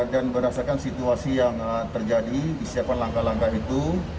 dan berdasarkan situasi yang terjadi disiapkan langkah langkah itu